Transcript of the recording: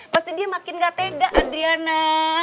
pasti dia makin gak tega adriana